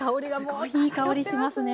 すごいいい香りしますね。